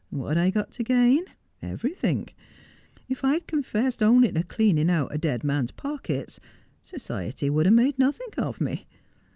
What had I got to gain? Everythink. If I'd confessed only to cleaning out a dead man's pockets, society would ha' made nothink of me.